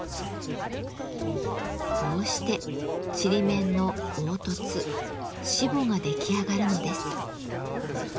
こうしてちりめんの凹凸しぼが出来上がるのです。